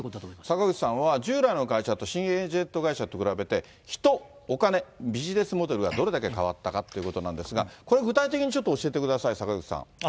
坂口さんは、従来の会社と新エージェント会社と比べて、人、お金、ビジネスモデルがどれだけ変わったかということなんですが、これ、具体的にちょっと教えてください、坂口さん。